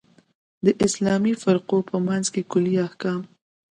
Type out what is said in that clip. د اسلامي فرقو په منځ کې کُلي احکام.